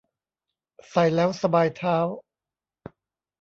ใส่แล้วสบายเท้า